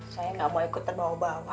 saya tidak mau ikut terbawa bawa